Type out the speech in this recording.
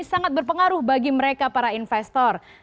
sangat berpengaruh bagi mereka para investor